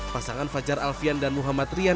pasangan fajar alfian dan muhammad rian